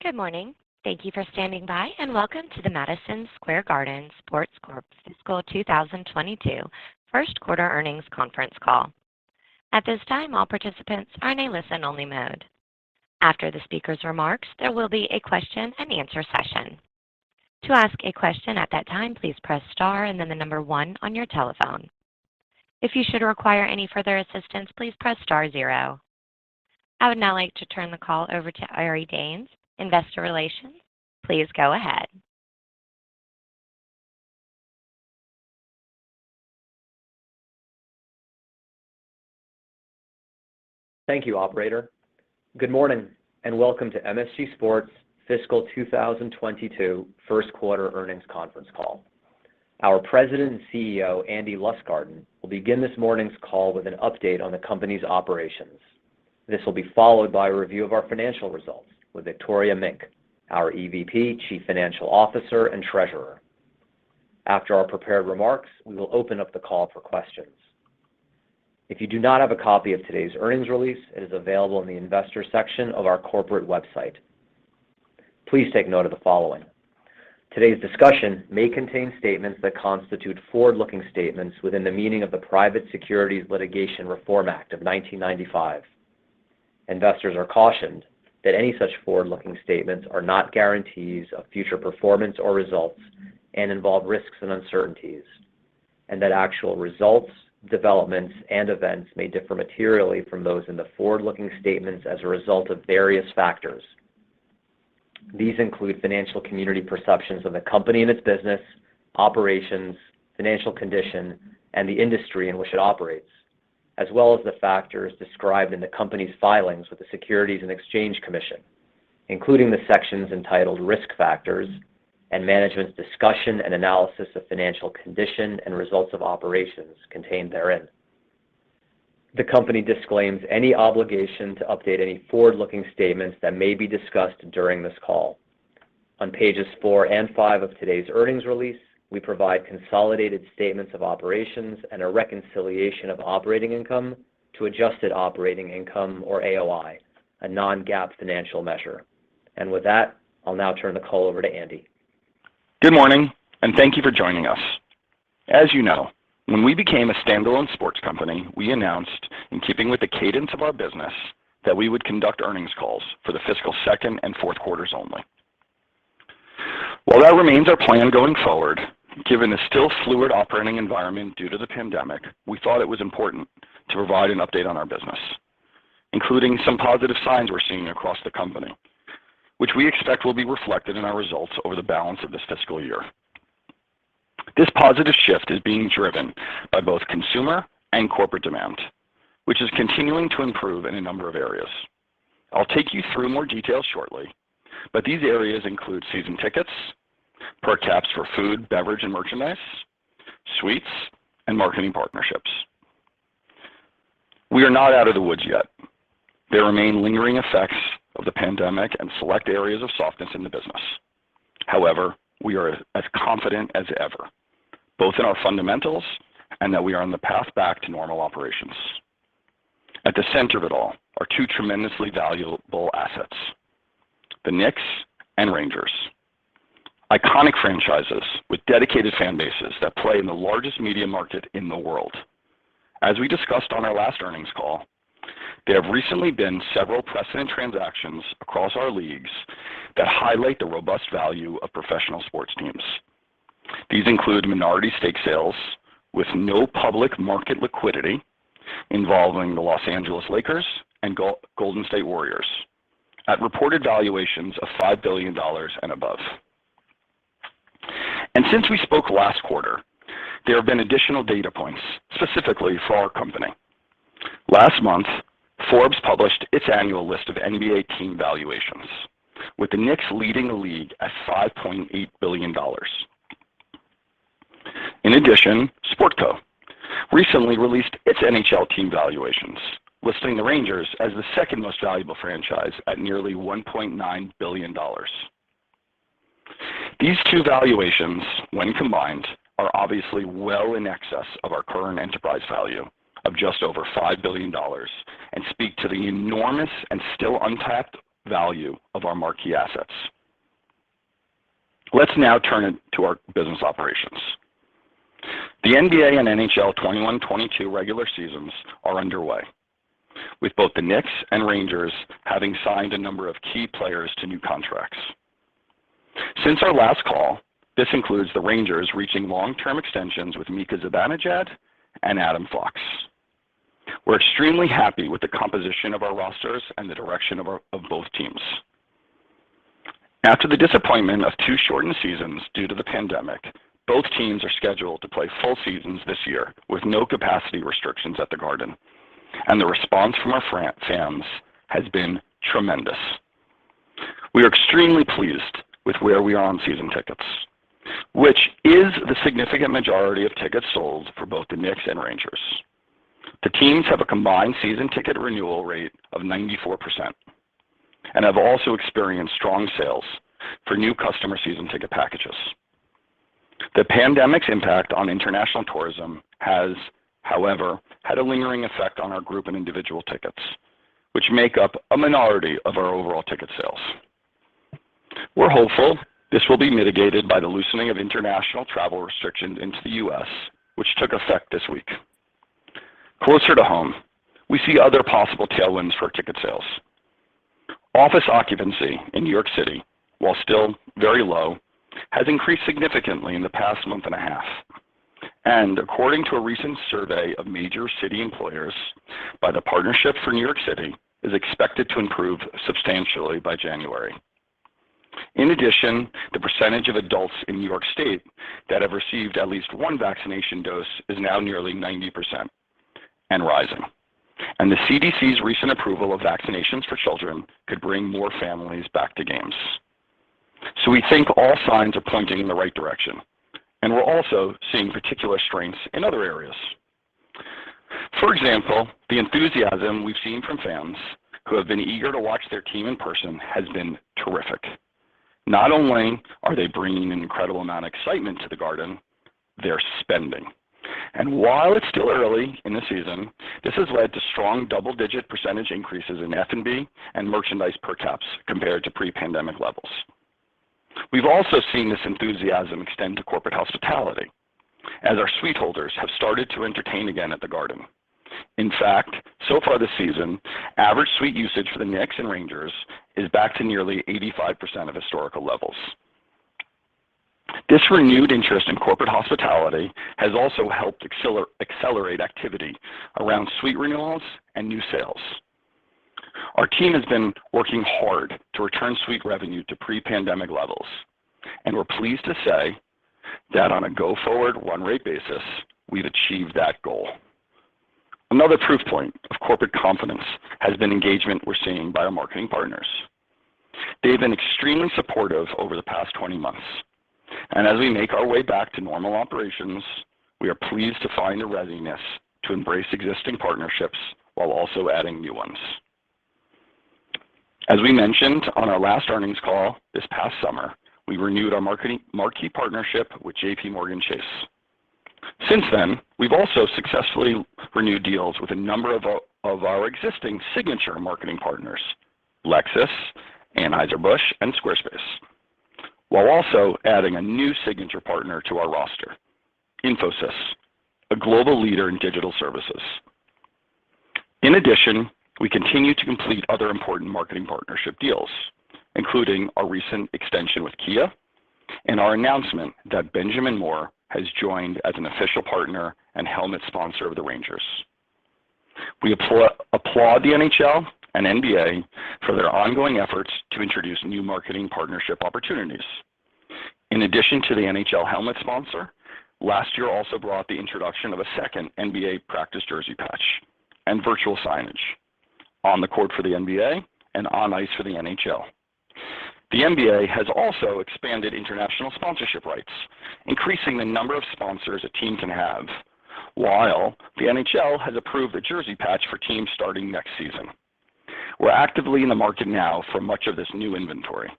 Good morning. Thank you for standing by, and welcome to the Madison Square Garden Sports Corp. Fiscal 2022 first quarter earnings conference call. At this time, all participants are in a listen-only mode. After the speaker's remarks, there will be a question-and-answer session. To ask a question at that time, please press Star and then the number one on your telephone. If you should require any further assistance, please press Star zero. I would now like to turn the call over to Ari Danes, Investor Relations. Please go ahead. Thank you, operator. Good morning, and welcome to MSG Sports' Fiscal 2022 first quarter earnings conference call. Our President and CEO, Andy Lustgarten, will begin this morning's call with an update on the company's operations. This will be followed by a review of our financial results with Victoria Mink, our EVP, Chief Financial Officer, and Treasurer. After our prepared remarks, we will open up the call for questions. If you do not have a copy of today's earnings release, it is available in the investor section of our corporate website. Please take note of the following. Today's discussion may contain statements that constitute forward-looking statements within the meaning of the Private Securities Litigation Reform Act of 1995. Investors are cautioned that any such forward-looking statements are not guarantees of future performance or results and involve risks and uncertainties, and that actual results, developments, and events may differ materially from those in the forward-looking statements as a result of various factors. These include financial community perceptions of the company and its business, operations, financial condition, and the industry in which it operates, as well as the factors described in the company's filings with the Securities and Exchange Commission, including the sections entitled Risk Factors and Management's Discussion and Analysis of Financial Condition and Results of Operations contained therein. The company disclaims any obligation to update any forward-looking statements that may be discussed during this call. On Pages 4 and 5 of today's earnings release, we provide consolidated statements of operations and a reconciliation of operating income to adjusted operating income or AOI, a non-GAAP financial measure. With that, I'll now turn the call over to Andy. Good morning, and thank you for joining us. As you know, when we became a standalone sports company, we announced, in keeping with the cadence of our business, that we would conduct earnings calls for the fiscal second and fourth quarters only. While that remains our plan going forward, given the still fluid operating environment due to the pandemic, we thought it was important to provide an update on our business, including some positive signs we're seeing across the company, which we expect will be reflected in our results over the balance of this fiscal year. This positive shift is being driven by both consumer and corporate demand, which is continuing to improve in a number of areas. I'll take you through more details shortly, but these areas include season tickets, per caps for food, beverage, and merchandise, suites, and marketing partnerships. We are not out of the woods yet. There remain lingering effects of the pandemic and select areas of softness in the business. However, we are as confident as ever, both in our fundamentals and that we are on the path back to normal operations. At the center of it all are two tremendously valuable assets, the Knicks and Rangers. Iconic franchises with dedicated fan bases that play in the largest media market in the world. As we discussed on our last earnings call, there have recently been several precedent transactions across our leagues that highlight the robust value of professional sports teams. These include minority stake sales with no public market liquidity involving the Los Angeles Lakers and Golden State Warriors at reported valuations of $5 billion and above. Since we spoke last quarter, there have been additional data points specifically for our company. Last month, Forbes published its annual list of NBA team valuations, with the Knicks leading the league at $5.8 billion. In addition, Sportico recently released its NHL team valuations, listing the Rangers as the second most valuable franchise at nearly $1.9 billion. These two valuations, when combined, are obviously well in excess of our current enterprise value of just over $5 billion and speak to the enormous and still untapped value of our marquee assets. Let's now turn it to our business operations. The NBA and NHL 2021-2022 regular seasons are underway, with both the Knicks and Rangers having signed a number of key players to new contracts. Since our last call, this includes the Rangers reaching long-term extensions with Mika Zibanejad and Adam Fox. We're extremely happy with the composition of our rosters and the direction of both teams. After the disappointment of two shortened seasons due to the pandemic, both teams are scheduled to play full seasons this year with no capacity restrictions at the Garden, and the response from our fans has been tremendous. We are extremely pleased with where we are on season tickets, which is the significant majority of tickets sold for both the Knicks and Rangers. The teams have a combined season ticket renewal rate of 94% and have also experienced strong sales for new customer season ticket packages. The pandemic's impact on international tourism has, however, had a lingering effect on our group and individual tickets, which make up a minority of our overall ticket sales. We're hopeful this will be mitigated by the loosening of international travel restrictions into the U.S., which took effect this week. Closer to home, we see other possible tailwinds for ticket sales. Office occupancy in New York City, while still very low, has increased significantly in the past month and a half. According to a recent survey of major city employers by the Partnership for New York City, is expected to improve substantially by January. In addition, the percentage of adults in New York State that have received at least one vaccination dose is now nearly 90% and rising. The CDC's recent approval of vaccinations for children could bring more families back to games. We think all signs are pointing in the right direction, and we're also seeing particular strengths in other areas. For example, the enthusiasm we've seen from fans who have been eager to watch their team in person has been terrific. Not only are they bringing an incredible amount of excitement to the garden, they're spending. While it's still early in the season, this has led to strong double-digit percentage increases in F&B and merchandise per caps compared to pre-pandemic levels. We've also seen this enthusiasm extend to corporate hospitality as our suite holders have started to entertain again at the garden. In fact, so far this season, average suite usage for the Knicks and Rangers is back to nearly 85% of historical levels. This renewed interest in corporate hospitality has also helped accelerate activity around suite renewals and new sales. Our team has been working hard to return suite revenue to pre-pandemic levels, and we're pleased to say that on a go-forward run rate basis, we've achieved that goal. Another proof point of corporate confidence has been engagement we're seeing by our marketing partners. They've been extremely supportive over the past 20 months. As we make our way back to normal operations, we are pleased to find a readiness to embrace existing partnerships while also adding new ones. As we mentioned on our last earnings call this past summer, we renewed our marquee partnership with JPMorgan Chase. Since then, we've also successfully renewed deals with a number of our existing signature marketing partners, Lexus, Anheuser-Busch, and Squarespace, while also adding a new signature partner to our roster, Infosys, a global leader in digital services. In addition, we continue to complete other important marketing partnership deals, including our recent extension with Kia and our announcement that Benjamin Moore has joined as an official partner and helmet sponsor of the Rangers. We applaud the NHL and NBA for their ongoing efforts to introduce new marketing partnership opportunities. In addition to the NHL helmet sponsor, last year also brought the introduction of a second NBA practice jersey patch and virtual signage on the court for the NBA and on ice for the NHL. The NBA has also expanded international sponsorship rights, increasing the number of sponsors a team can have, while the NHL has approved a jersey patch for teams starting next season. We're actively in the market now for much of this new inventory.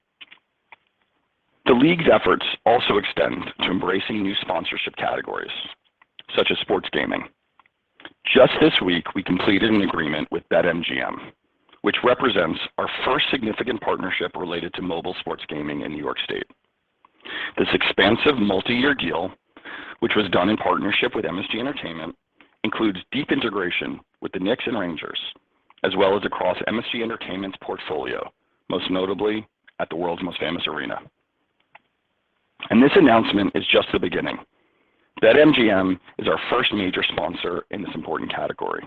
The league's efforts also extend to embracing new sponsorship categories, such as sports gaming. Just this week, we completed an agreement with BetMGM, which represents our first significant partnership related to mobile sports gaming in New York State. This expansive multi-year deal, which was done in partnership with MSG Entertainment, includes deep integration with the Knicks and Rangers, as well as across MSG Entertainment's portfolio, most notably at the world's most famous arena. This announcement is just the beginning. BetMGM is our first major sponsor in this important category.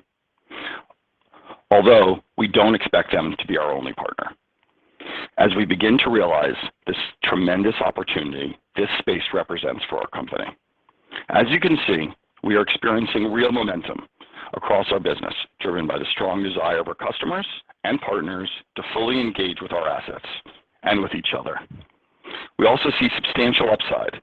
Although we don't expect them to be our only partner as we begin to realize this tremendous opportunity this space represents for our company. As you can see, we are experiencing real momentum across our business, driven by the strong desire of our customers and partners to fully engage with our assets and with each other. We also see substantial upside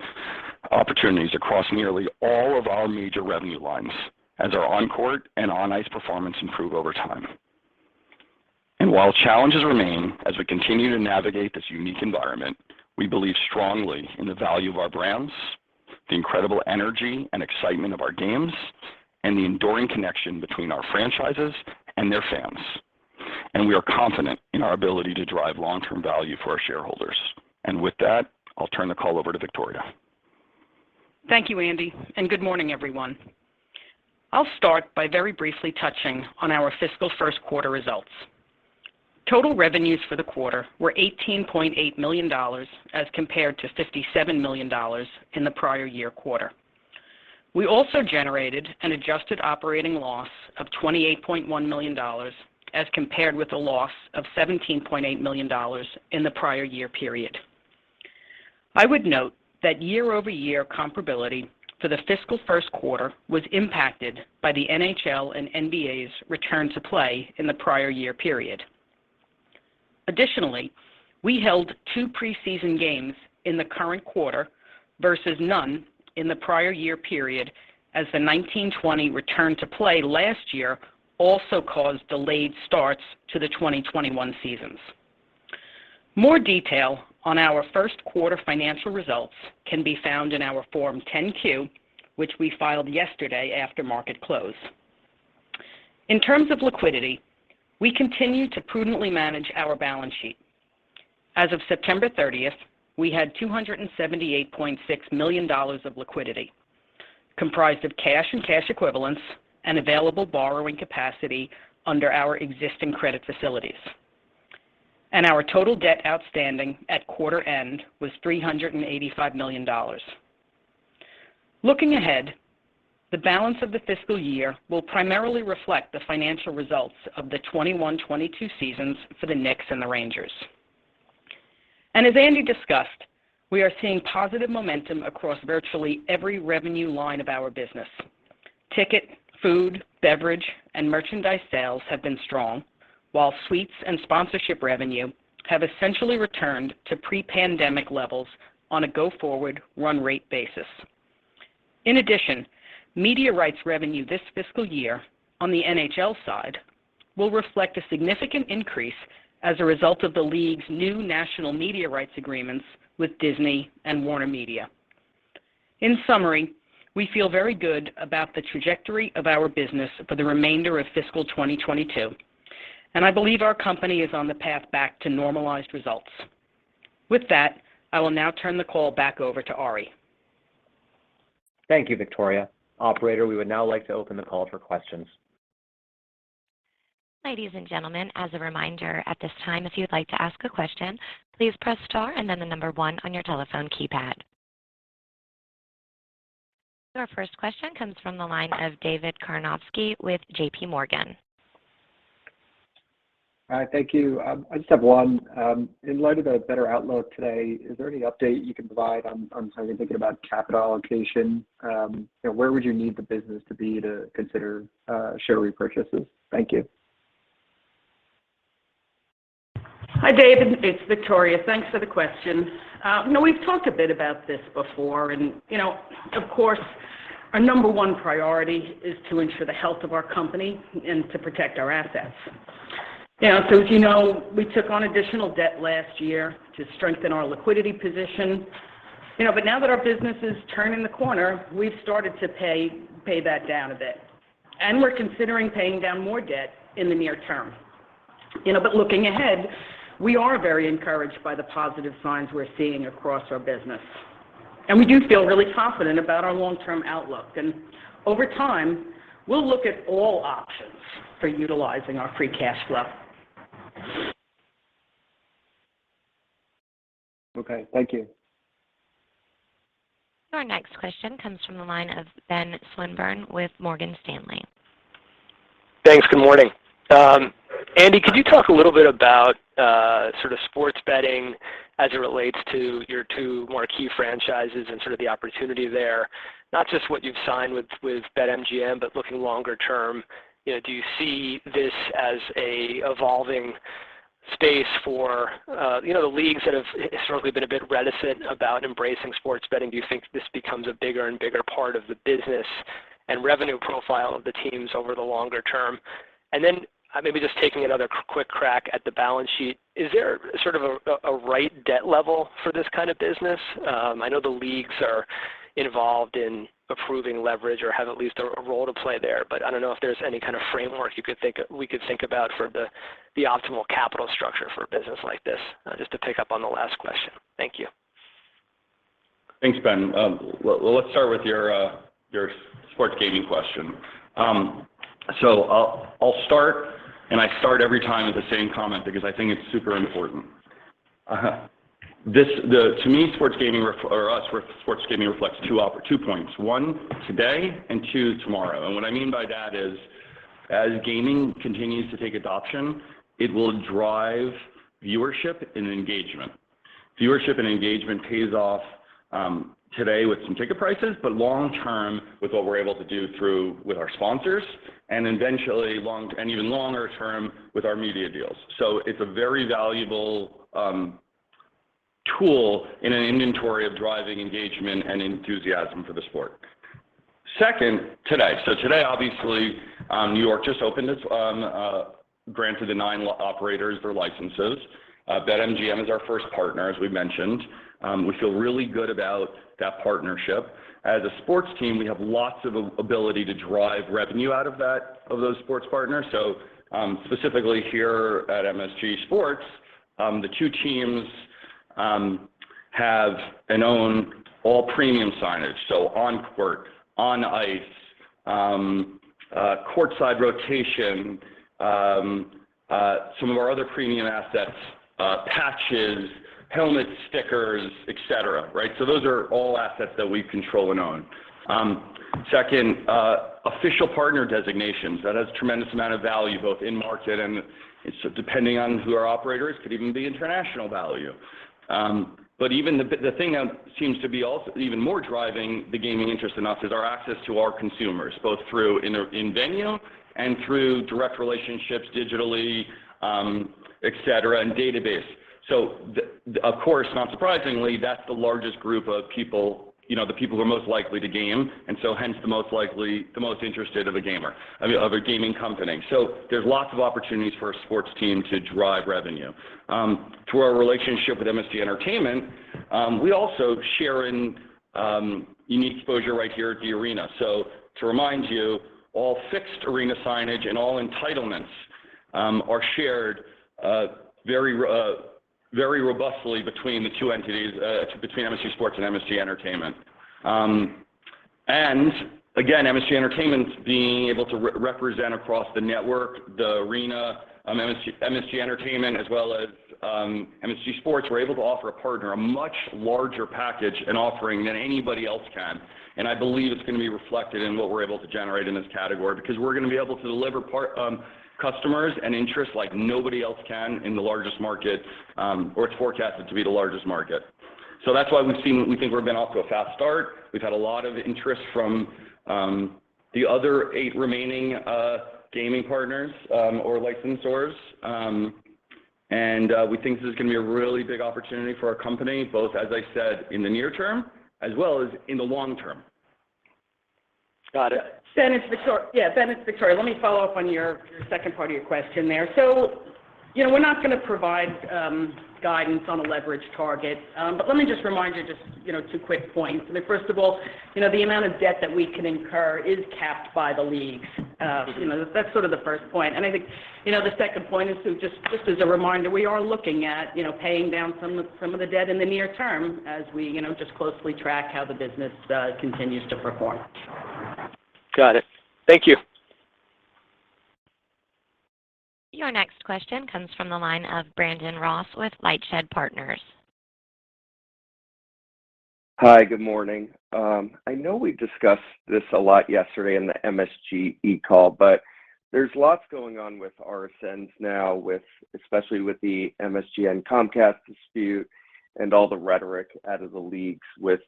opportunities across nearly all of our major revenue lines as our on-court and on-ice performance improve over time. While challenges remain as we continue to navigate this unique environment, we believe strongly in the value of our brands, the incredible energy and excitement of our games, and the enduring connection between our franchises and their fans. We are confident in our ability to drive long-term value for our shareholders. With that, I'll turn the call over to Victoria. Thank you, Andy, and good morning, everyone. I'll start by very briefly touching on our fiscal first quarter results. Total revenues for the quarter were $18.8 million as compared to $57 million in the prior year quarter. We also generated an adjusted operating loss of $28.1 million as compared with a loss of $17.8 million in the prior year period. I would note that year-over-year comparability for the fiscal first quarter was impacted by the NHL and NBA's return to play in the prior year period. Additionally, we held two preseason games in the current quarter versus none in the prior year period as the 2019-2020 return to play last year also caused delayed starts to the 2020-2021 seasons. More detail on our first quarter financial results can be found in our Form 10-Q, which we filed yesterday after market close. In terms of liquidity, we continue to prudently manage our balance sheet. As of September 30th, we had $278.6 million of liquidity, comprised of cash and cash equivalents and available borrowing capacity under our existing credit facilities. Our total debt outstanding at quarter end was $385 million. Looking ahead, the balance of the fiscal year will primarily reflect the financial results of the 2021-2022 seasons for the Knicks and the Rangers. As Andy discussed, we are seeing positive momentum across virtually every revenue line of our business. Ticket, food, beverage, and merchandise sales have been strong, while suites and sponsorship revenue have essentially returned to pre-pandemic levels on a go-forward run rate basis. In addition, media rights revenue this fiscal year on the NHL side will reflect a significant increase as a result of the league's new national media rights agreements with Disney and WarnerMedia. In summary, we feel very good about the trajectory of our business for the remainder of fiscal 2022, and I believe our company is on the path back to normalized results. With that, I will now turn the call back over to Ari. Thank you, Victoria. Operator, we would now like to open the call for questions. Ladies and gentlemen, as a reminder at this time, if you'd like to ask a question, please press Star and then the number one on your telephone keypad. Our first question comes from the line of David Karnovsky with JPMorgan. All right, thank you. I just have one. In light of a better outlook today, is there any update you can provide on something thinking about capital allocation? You know, where would you need the business to be to consider share repurchases? Thank you. Hi, David, it's Victoria. Thanks for the question. You know, we've talked a bit about this before, and, you know, of course, our number one priority is to ensure the health of our company and to protect our assets. You know, so as you know, we took on additional debt last year to strengthen our liquidity position. You know, but now that our business is turning the corner, we've started to pay that down a bit, and we're considering paying down more debt in the near-term. You know, but looking ahead, we are very encouraged by the positive signs we're seeing across our business, and we do feel really confident about our long-term outlook. Over time, we'll look at all options for utilizing our free cash flow. Okay. Thank you. Our next question comes from the line of Ben Swinburne with Morgan Stanley. Thanks. Good morning. Andy, could you talk a little bit about, sort of sports betting as it relates to your two more key franchises and sort of the opportunity there, not just what you've signed with BetMGM, but looking longer-term. You know, do you see this as an evolving space for, you know, the leagues that have historically been a bit reticent about embracing sports betting? Do you think this becomes a bigger and bigger part of the business and revenue profile of the teams over the longer-term? Then maybe just taking another quick crack at the balance sheet, is there sort of a right debt level for this kind of business? I know the leagues are involved in approving leverage or have at least a role to play there, but I don't know if there's any kind of framework we could think about for the optimal capital structure for a business like this, just to pick up on the last question. Thank you. Thanks, Ben. Well, let's start with your sports gaming question. I'll start, and I start every time with the same comment because I think it's super important. To me, sports gaming for us reflects two points. One, today, and two, tomorrow. What I mean by that is, as gaming continues to gain adoption, it will drive viewership and engagement. Viewership and engagement pays off today with some ticket prices, but long term with what we're able to do with our sponsors and eventually and even longer-term with our media deals. It's a very valuable tool in our inventory of driving engagement and enthusiasm for the sport. Second, today. Today, obviously, New York just opened its and granted the nine operators their licenses. BetMGM is our first partner, as we've mentioned. We feel really good about that partnership. As a sports team, we have lots of ability to drive revenue out of that, of those sports partners. Specifically here at MSG Sports, the two teams have and own all premium signage, so on court, on ice, courtside rotation, some of our other premium assets, patches, helmets, stickers, et cetera. Right? Those are all assets that we control and own. Second, official partner designations, that has tremendous amount of value both in-market, and so depending on who are operators, could even be international value. Even the thing that seems to be even more driving the gaming interest in us is our access to our consumers, both through in-venue and through direct relationships digitally, et cetera, and database. Of course, not surprisingly, that's the largest group of people, you know, the people who are most likely to game, and hence the most likely the most interested of a gamer, I mean, of a gaming company. There's lots of opportunities for a sports team to drive revenue. To our relationship with MSG Entertainment, we also share in unique exposure right here at the arena. To remind you, all fixed arena signage and all entitlements are shared very robustly between the two entities, between MSG Sports and MSG Entertainment. MSG Entertainment's being able to represent across the network, the arena. MSG Entertainment, as well as MSG Sports, we're able to offer a partner a much larger package and offering than anybody else can. I believe it's gonna be reflected in what we're able to generate in this category because we're gonna be able to deliver partners, customers and interest like nobody else can in the largest market, or it's forecasted to be the largest market. That's why we think we've been off to a fast start. We've had a lot of interest from the other eight remaining gaming partners or licensed stores. We think this is gonna be a really big opportunity for our company, both, as I said, in the near-term as well as in the long-term. Got it. Ben, it's Victoria. Let me follow up on your second part of your question there. You know, we're not gonna provide guidance on a leverage target. Let me just remind you just, you know, two quick points. I mean, first of all, you know, the amount of debt that we can incur is capped by the leagues. You know, that's sort of the first point. I think, you know, the second point is to just as a reminder, we are looking at, you know, paying down some of the debt in the near-term as we, you know, just closely track how the business continues to perform. Got it. Thank you. Your next question comes from the line of Brandon Ross with LightShed Partners. Hi, good morning. I know we've discussed this a lot yesterday in the MSGE call, but there's lots going on with RSNs now with especially with the MSG and Comcast dispute and all the rhetoric out of the leagues with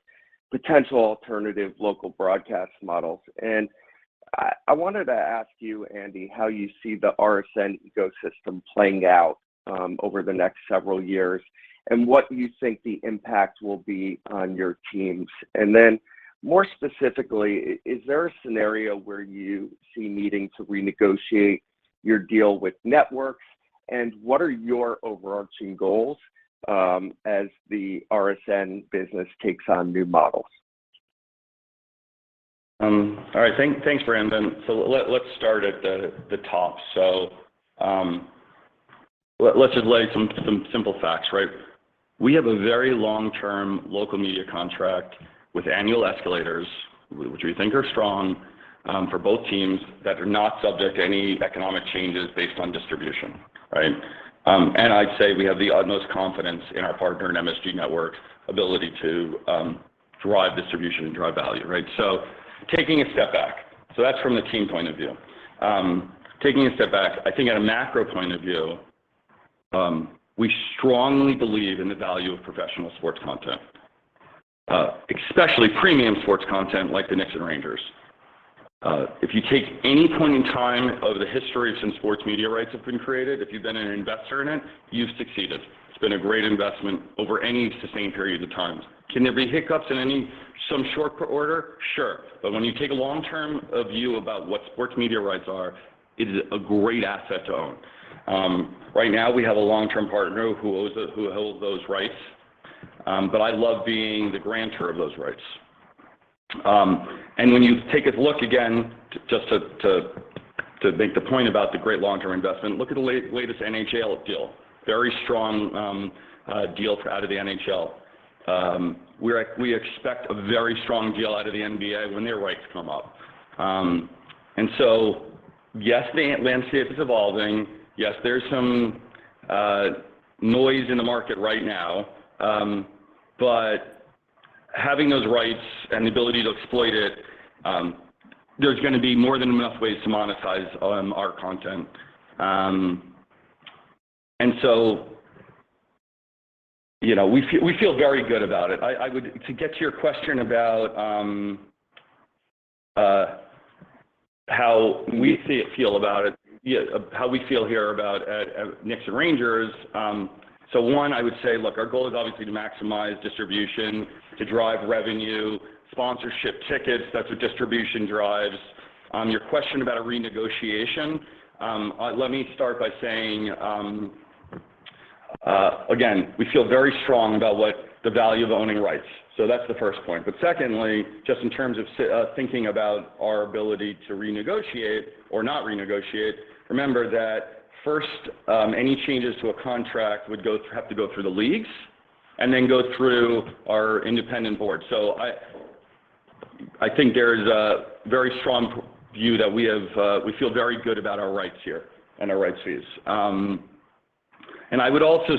potential alternative local broadcast models. I wanted to ask you, Andy, how you see the RSN ecosystem playing out over the next several years and what you think the impact will be on your teams. Then more specifically, is there a scenario where you see needing to renegotiate your deal with networks, and what are your overarching goals as the RSN business takes on new models? Thanks, Brandon. Let's start at the top. Let's just lay some simple facts, right? We have a very long-term local media contract with annual escalators, which we think are strong, for both teams that are not subject to any economic changes based on distribution, right? I'd say we have the utmost confidence in our partner, MSG Network's ability to drive distribution and drive value, right? Taking a step back. That's from the team point of view. Taking a step back, I think at a macro point of view, we strongly believe in the value of professional sports content, especially premium sports content like the Knicks and Rangers. If you take any point in time of the history since sports media rights have been created, if you've been an investor in it, you've succeeded. It's been a great investment over any sustained periods of times. Can there be hiccups in some short order? Sure. When you take a long-term view about what sports media rights are, it is a great asset to own. Right now, we have a long-term partner who holds those rights, but I love being the grantor of those rights. When you take a look again, just to make the point about the great long-term investment, look at the latest NHL deal. Very strong deal out of the NHL. We expect a very strong deal out of the NBA when their rights come up. Yes, the landscape is evolving. Yes, there's some noise in the market right now. Having those rights and the ability to exploit it, there's gonna be more than enough ways to monetize our content. You know, we feel very good about it. To get to your question about how we feel about it. Yeah, how we feel here about Knicks and Rangers. One, I would say, look, our goal is obviously to maximize distribution, to drive revenue, sponsorship, tickets. That's what distribution drives. Your question about a renegotiation, let me start by saying, again, we feel very strong about what the value of owning rights. That's the first point. Secondly, just in terms of thinking about our ability to renegotiate or not renegotiate, remember that first, any changes to a contract would have to go through the leagues and then go through our Independent Board. I think there is a very strong view that we have, we feel very good about our rights here and our rights fees. I would also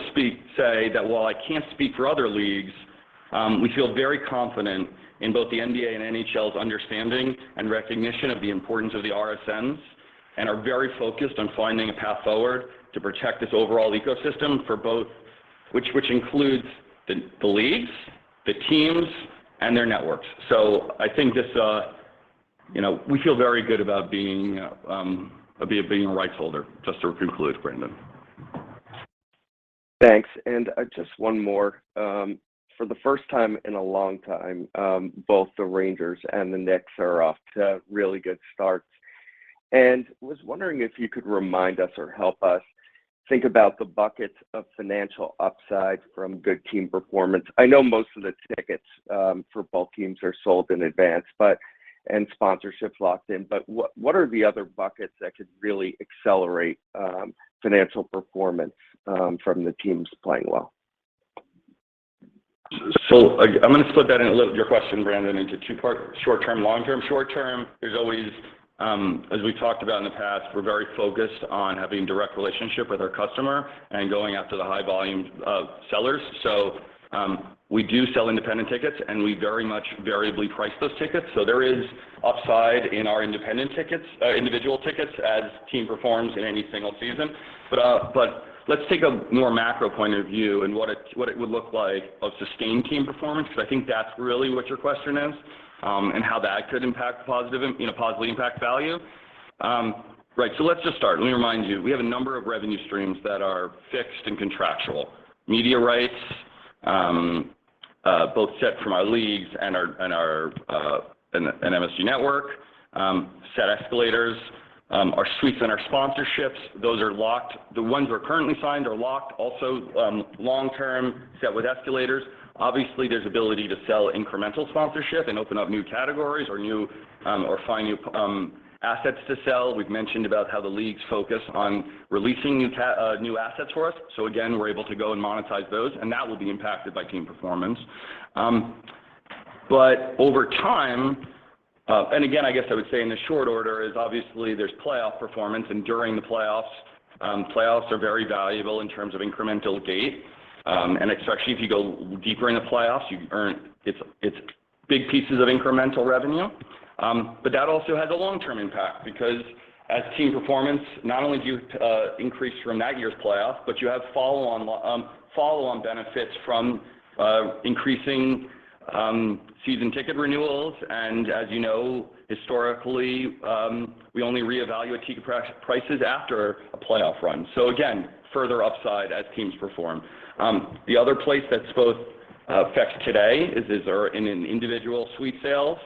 say that while I can't speak for other leagues, we feel very confident in both the NBA and NHL's understanding and recognition of the importance of the RSNs and are very focused on finding a path forward to protect this overall ecosystem for both, which includes the leagues, the teams, and their networks. I think this, you know, we feel very good about being a rights holder, just to conclude, Brandon. Thanks. Just one more. For the first time in a long time, both the Rangers and the Knicks are off to really good starts. I was wondering if you could remind us or help us think about the buckets of financial upside from good team performance. I know most of the tickets for both teams are sold in advance, but sponsorships locked in. What are the other buckets that could really accelerate financial performance from the teams playing well? I'm gonna split your question, Brandon, into two parts, short-term, long-term. Short term, there's always, as we talked about in the past, we're very focused on having a direct relationship with our customer and going after the high volume of sellers. We do sell independent tickets, and we very much variably price those tickets. There is upside in our independent tickets, individual tickets as the team performs in any single season. Let's take a more macro point of view and what it would look like of sustained team performance, because I think that's really what your question is, and how that could positively impact value, you know. Right. Let's just start. Let me remind you, we have a number of revenue streams that are fixed and contractual. Media rights, both set from our leagues and our MSG Network, set escalators, our suites and our sponsorships, those are locked. The ones we're currently signed are locked, also, long-term set with escalators. Obviously, there's ability to sell incremental sponsorship and open up new categories or find new assets to sell. We've mentioned about how the leagues focus on releasing new assets for us. Again, we're able to go and monetize those, and that will be impacted by team performance. Over time, and again, I guess I would say in short order, obviously there's playoff performance, and during the playoffs are very valuable in terms of incremental dates. Especially if you go deeper in the playoffs, it's big pieces of incremental revenue. That also has a long-term impact because as team performance, not only do you increase from that year's playoff, but you have follow on benefits from increasing season ticket renewals. As you know, historically, we only reevaluate ticket prices after a playoff run. Again, further upside as teams perform. The other place that's both fixed today is our individual suite sales,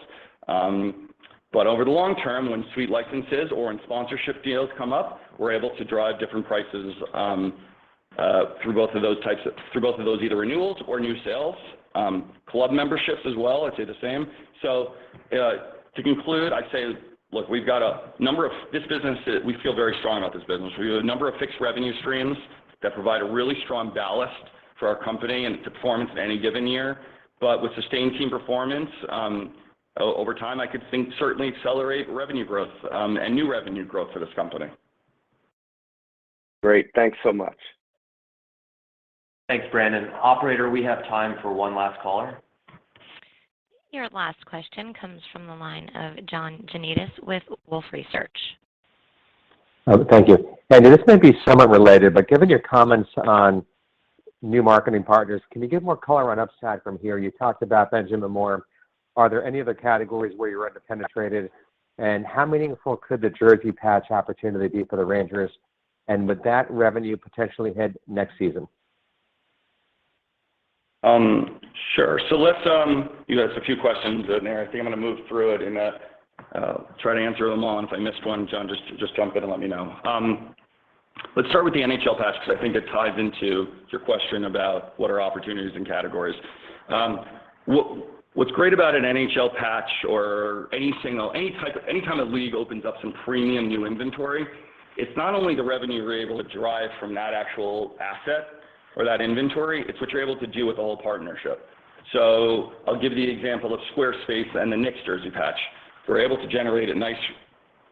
but over the long-term, when suite licenses or when sponsorship deals come up, we're able to drive different prices through both of those either renewals or new sales. Club memberships as well, I'd say the same. To conclude, I'd say, look, we feel very strong about this business. We have a number of fixed revenue streams that provide a really strong ballast for our company and its performance in any given year. With sustained team performance, over time, I could think certainly accelerate revenue growth, and new revenue growth for this company. Great. Thanks so much. Thanks, Brandon. Operator, we have time for one last caller. Your last question comes from the line of John Janedis with Wolfe Research. Thank you. Andy, this may be somewhat related, but given your comments on new marketing partners, can you give more color on upside from here? You talked about Benjamin Moore. Are there any other categories where you're underpenetrated? And how meaningful could the jersey patch opportunity be for the Rangers and would that revenue potentially hit next season? Sure. Let's, you asked a few questions in there. I think I'm going to move through it and try to answer them all. If I missed one, John, just jump in and let me know. Let's start with the NHL patch because I think it ties into your question about what are opportunities and categories. What's great about an NHL patch or any time a league opens up some premium new inventory, it's not only the revenue you're able to drive from that actual asset or that inventory, it's what you're able to do with the whole partnership. I'll give you the example of Squarespace and the Knicks jersey patch. We're able to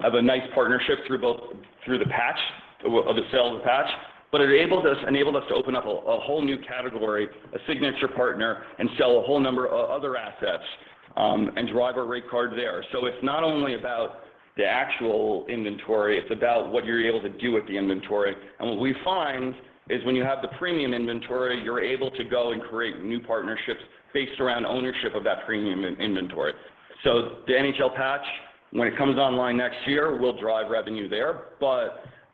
have a nice partnership through the patch, of the sale of the patch. Enabled us to open up a whole new category, a signature partner, and sell a whole number of other assets, and drive our rate card there. It's not only about the actual inventory, it's about what you're able to do with the inventory. What we find is when you have the premium inventory, you're able to go and create new partnerships based around ownership of that premium in inventory. The NHL patch, when it comes online next year, will drive revenue there.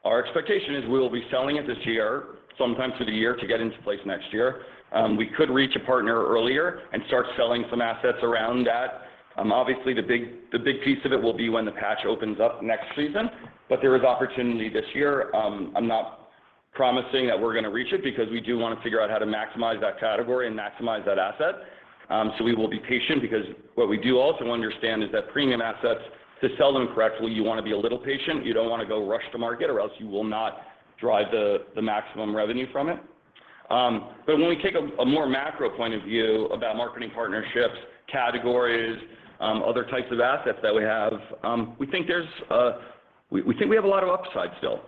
Our expectation is we will be selling it this year, sometime through the year to get into place next year. We could reach a partner earlier and start selling some assets around that. Obviously, the big piece of it will be when the patch opens up next season. There is opportunity this year. I'm not promising that we're going to reach it because we do want to figure out how to maximize that category and maximize that asset. We will be patient because what we do also understand is that premium assets, to sell them correctly, you want to be a little patient. You don't want to go rush to market or else you will not drive the maximum revenue from it. When we take a more macro point of view about marketing partnerships, categories, other types of assets that we have, we think we have a lot of upside still.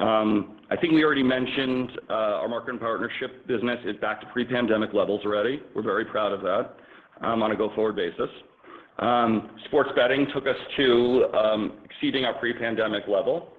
I think we already mentioned our marketing partnership business is back to pre-pandemic levels already. We're very proud of that on a go-forward basis. Sports betting took us to exceeding our pre-pandemic level.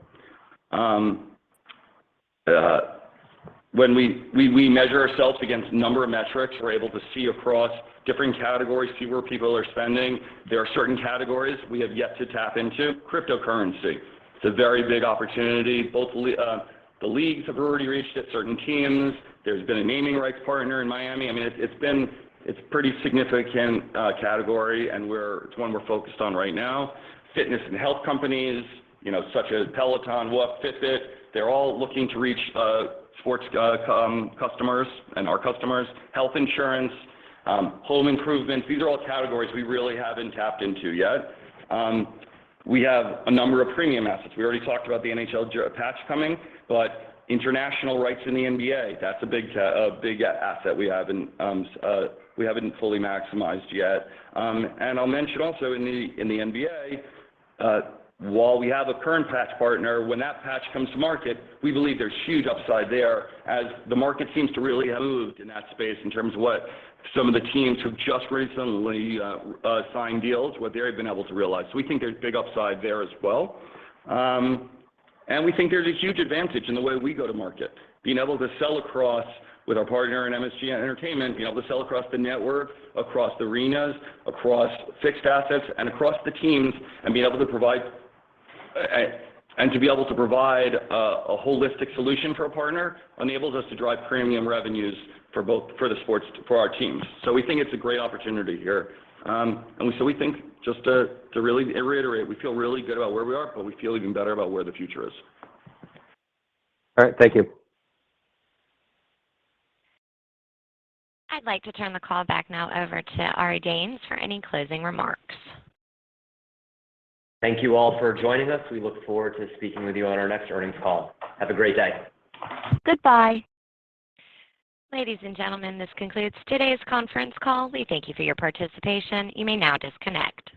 When we measure ourselves against a number of metrics, we're able to see across different categories, see where people are spending. There are certain categories we have yet to tap into. Cryptocurrency, it's a very big opportunity. The leagues have already reached it, certain teams. There's been a naming rights partner in Miami. I mean, it's pretty significant category, and it's one we're focused on right now. Fitness and health companies, you know, such as Peloton, WHOOP, Fitbit, they're all looking to reach sports customers and our customers. Health insurance, home improvement, these are all categories we really haven't tapped into yet. We have a number of premium assets. We already talked about the NHL jersey patch coming, but international rights in the NBA, that's a big asset we haven't fully maximized yet. I'll mention also in the NBA, while we have a current patch partner, when that patch comes to market, we believe there's huge upside there as the market seems to really have moved in that space in terms of what some of the teams who've just recently signed deals, what they've been able to realize. We think there's big upside there as well. We think there's a huge advantage in the way we go to market. Being able to sell across with our partner in MSG Entertainment, being able to sell across the network, across the arenas, across fixed assets, and across the teams, and being able to provide a holistic solution for a partner enables us to drive premium revenues for our teams. We think it's a great opportunity here. We think just to really reiterate, we feel really good about where we are, but we feel even better about where the future is. All right. Thank you. I'd like to turn the call back now over to Ari Danes for any closing remarks. Thank you all for joining us. We look forward to speaking with you on our next earnings call. Have a great day. Goodbye. Ladies and gentlemen, this concludes today's conference call. We thank you for your participation. You may now disconnect.